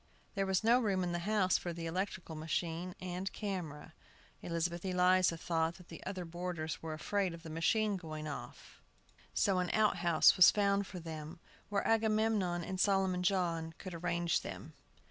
There was no room in the house for the electrical machine and camera. Elizabeth Eliza thought the other boarders were afraid of the machine going off; so an out house was found for them, where Agamemnon and Solomon John could arrange them.